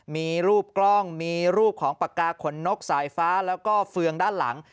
มีรูปกล้องมีรูปของปากกาขนนกสายฟ้าแล้วก็เฟืองด้านหลัง